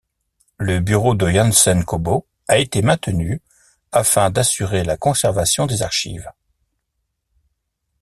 Le bureau de Yanesen Kôbô a été maintenu afin d'assurer la conservation des archives.